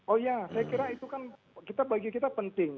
oh ya saya kira itu kan bagi kita penting